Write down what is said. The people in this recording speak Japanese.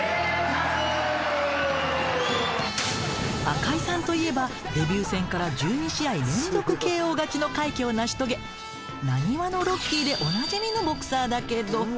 赤井さんといえばデビュー戦から１２試合連続ＫＯ勝ちの快挙を成し遂げ浪速のロッキーでおなじみのボクサーだけど。